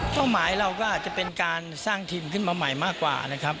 หมายเราก็อาจจะเป็นการสร้างทีมขึ้นมาใหม่มากกว่านะครับ